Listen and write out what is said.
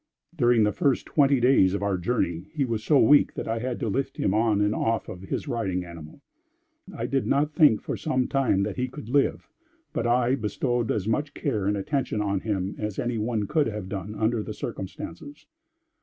During the first twenty days of our journey, he was so weak that I had to lift him on and off of his riding animal. I did not think for some time that he could live; but, I bestowed as much care and attention on him as any one could have done under the circumstances.